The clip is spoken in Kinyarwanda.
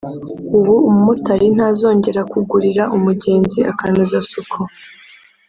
’’ Ubu umumotari ntazongera kugurira umugenzi akanozasuku